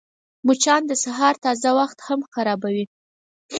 مچان د سهار تازه وخت هم خرابوي